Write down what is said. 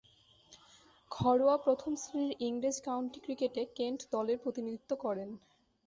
ঘরোয়া প্রথম-শ্রেণীর ইংরেজ কাউন্টি ক্রিকেটে কেন্ট দলের প্রতিনিধিত্ব করেন।